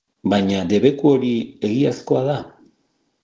Baina, debeku hori, egiazkoa da?